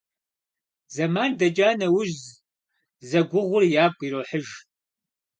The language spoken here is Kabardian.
Зэман дэкӀа нэужь, зэгугъур ягу ирохьыж.